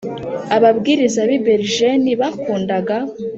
Ababwiriza b i Bergen bakundaga